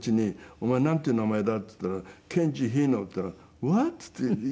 「お前なんていう名前だ？」って言ったら「ケンジヒノ」って言ったら「ホワット？」って言われるのね。